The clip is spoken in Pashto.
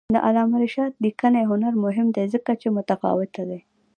د علامه رشاد لیکنی هنر مهم دی ځکه چې متفاوته دی.